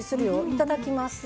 いただきます。